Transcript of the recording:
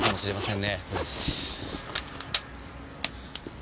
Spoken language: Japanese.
ん？